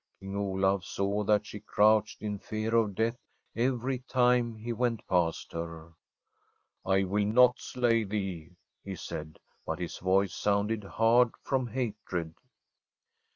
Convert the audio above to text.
King Olaf saw that she crouched in fear of death every time he went past her. ' I will not slay thee,* he said ; but his voice sounded hard from hatred.